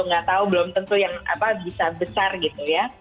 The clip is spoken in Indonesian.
nggak tahu belum tentu yang bisa besar gitu ya